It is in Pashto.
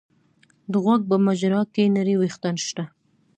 د غوږ په مجرا کې نري وېښتان شته.